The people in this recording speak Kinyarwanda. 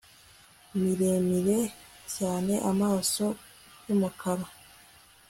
miremire cyaneamaso yumukara